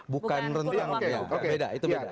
bukan rentang beda